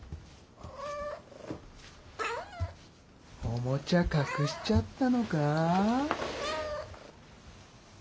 おもちゃ隠しちゃったのか？